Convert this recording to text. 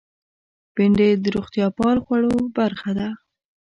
بېنډۍ د روغتیا پال خوړو برخه ده